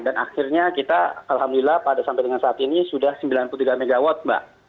dan akhirnya kita alhamdulillah pada sampai dengan saat ini sudah sembilan puluh tiga mw mbak